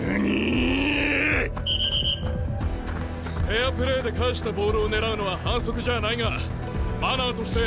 フェアプレーで返したボールを狙うのは反則じゃないがマナーとして。